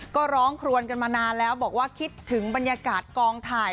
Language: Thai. ก็ร้องครวนกันมานานแล้วบอกว่าคิดถึงบรรยากาศกองถ่าย